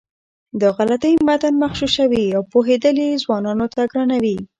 دا غلطۍ متن مغشوشوي او پوهېدل یې ځوانانو ته ګرانوي.